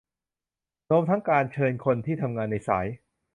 รวมทั้งการเชิญคนที่ทำงานในสาย